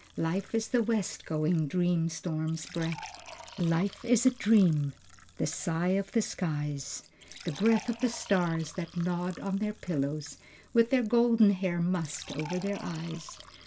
Life is the west going dream storm's breath, Life is a dream, the sigh of the skies, The breath of the stars, that nod on their pillows With their golden hair mussed over their eyes."